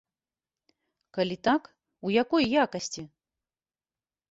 Калі так, у якой якасці?